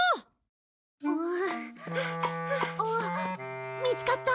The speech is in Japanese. あっ見つかった？